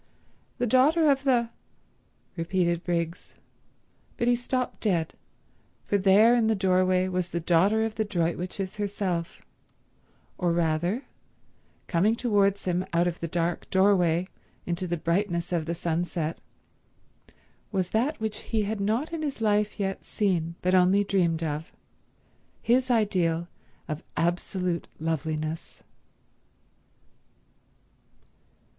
"The daughter of the—" repeated Briggs; but he stopped dead, for there in the doorway was the daughter of the Droitwiches herself; or rather, coming towards him out of the dark doorway into the brightness of the sunset, was that which he had not in his life yet seen but only dreamed of, his ideal of absolute loveliness.